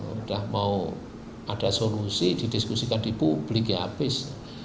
sudah mau ada solusi didiskusikan di publik ya habis